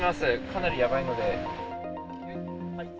かなりやばいので。